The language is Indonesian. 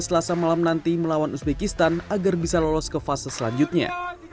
selasa malam nanti melawan uzbekistan agar bisa lolos ke fase selanjutnya